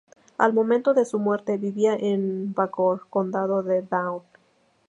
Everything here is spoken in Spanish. Al momento de su muerte vivía en Bangor, Condado de Down.